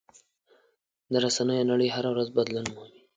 د رسنیو نړۍ هره ورځ بدلون مومي.